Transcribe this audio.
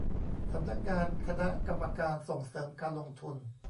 สำนักงานคณะกรรมการส่งเสริมการลงทุน